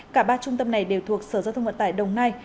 cả ba trung tâm này đều thuộc sở giao thông vận tải đồng nai